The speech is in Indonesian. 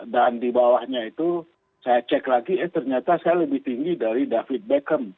dan di bawahnya itu saya cek lagi eh ternyata saya lebih tinggi dari david beckham